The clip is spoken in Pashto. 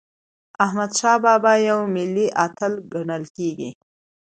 احمدشاه بابا یو ملي اتل ګڼل کېږي.